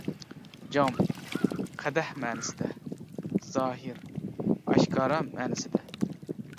جام: قەدەھ مەنىسىدە زاھىر: ئاشكارا مەنىسىدە.